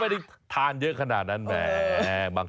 ติดตามทางราวของความน่ารักกันหน่อย